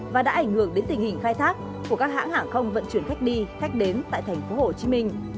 và đã ảnh hưởng đến tình hình khai thác của các hãng hàng không vận chuyển khách đi khách đến tại tp hcm